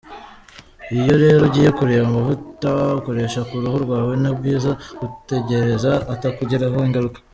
Iyo rero ugiye kureba amavuta ukoresha ku ruhu rwawe ni byiza kwitegereza atakugiraho ingaruka.